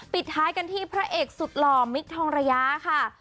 ปิดท้ายกันที่พระเอกสุดหล่อมิคทองระยะค่ะ